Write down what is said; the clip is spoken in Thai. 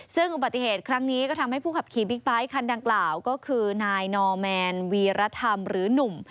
ซึ่งอุบัติเหตุครั้งนี้ก็ทำให้ผู้ขับขี่บิ๊กไบท์คันดังกล่าวก็คือนายนอร์แมนวีรธรรมหรือหนุ่ม